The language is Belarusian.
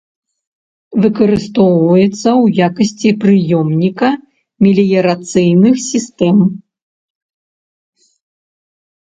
Выкарыстоўваецца ў якасці прыёмніка меліярацыйных сістэм.